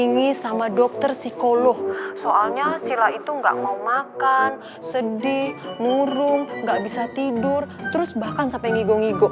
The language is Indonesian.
gede murung gak bisa tidur terus bahkan sampe ngigo ngigo